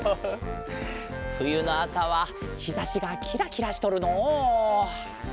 ふゆのあさはひざしがキラキラしとるのう。